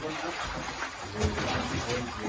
หลงหลงหลงหลง